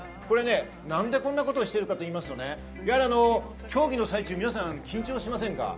何でこんなことをしているかというと、競技の最中、皆さん緊張しませんか？